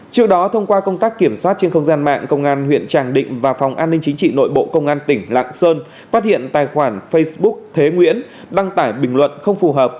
trước đó thông qua công tác kiểm soát trên không gian mạng công an huyện tràng định và phòng an ninh chính trị nội bộ công an tỉnh lạng sơn phát hiện tài khoản facebook thế nguyễn đăng tải bình luận không phù hợp